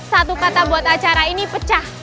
satu kata buat acara ini pecah